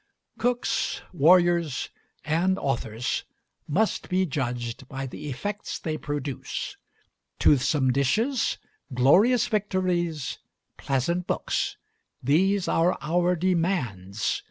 Cooks, warriors, and authors must be judged by the effects they produce: toothsome dishes, glorious victories, pleasant books these are our demands.